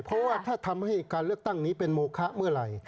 เพราะว่าถ้าทำให้การเลือกตั้งนี้เป็นโมคะเมื่อไหร่